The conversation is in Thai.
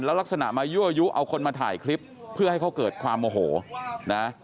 ลักษณะมายั่วยุเอาคนมาถ่ายคลิปเพื่อให้เขาเกิดความโมโหนะ